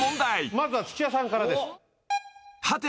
まずは土屋さんからです。